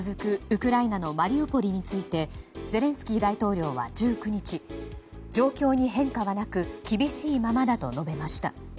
ウクライナのマリウポリについてゼレンスキー大統領は１９日状況に変化はなく厳しいままだと述べました。